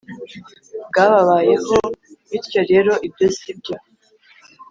bwabayeho Bityo rero ibyo si byo